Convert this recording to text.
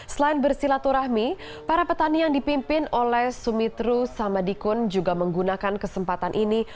selain bersilaturahmi para petani yang dipimpin oleh sumitru samadikun juga menggunakan kesempatan ini